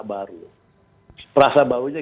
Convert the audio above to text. baru prasa barunya